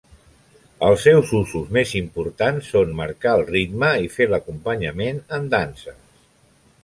Els seus usos més importants són marcar el ritme i fer l'acompanyament en danses.